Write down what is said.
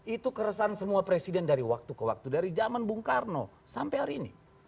itu keresahan semua presiden dari waktu ke waktu dari zaman bung karno sampai hari ini